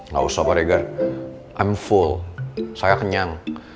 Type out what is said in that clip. gak usah pak regar i'm full saya kenyang